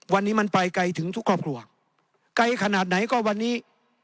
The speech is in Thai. วันนี้มันไปไกลถึงทุกครอบครัวไกลขนาดไหนก็วันนี้